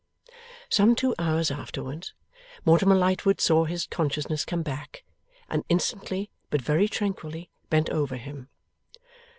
Some two hours afterwards, Mortimer Lightwood saw his consciousness come back, and instantly, but very tranquilly, bent over him.